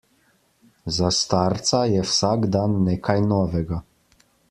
Za starca je vsak dan nekaj novega.